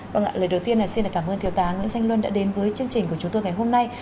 vâng ạ lời đầu tiên là xin cảm ơn thiếu tá nguyễn danh luân đã đến với chương trình của chúng tôi ngày hôm nay